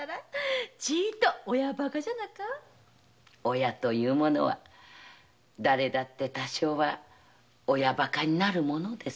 親というものは誰だって多少は親ばかになるものです。